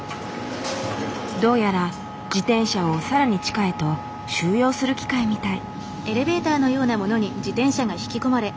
どうやら自転車を更に地下へと収容する機械みたい。